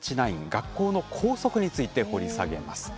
学校の校則について掘り下げます。